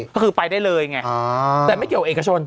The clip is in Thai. ก็คือไปได้เลยไงแต่ไม่เกี่ยวเอกชน